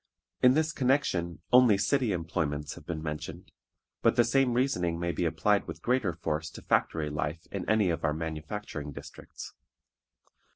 In this connection only city employments have been mentioned, but the same reasoning may be applied with greater force to factory life in any of our manufacturing districts.